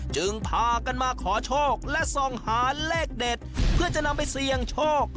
จึงพากันมาขอโชคและส่องหาเลขเด็ดเพื่อจะนำไปเสี่ยงโชค